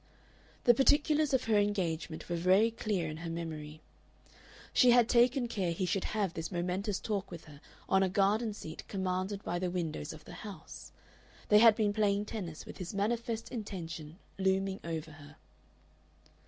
The particulars of her engagement were very clear in her memory. She had taken care he should have this momentous talk with her on a garden seat commanded by the windows of the house. They had been playing tennis, with his manifest intention looming over her.